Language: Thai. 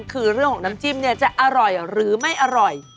คือเรื่องของน้ำจิ้มเนี่ยจะอร่อยหรือไม่อร่อย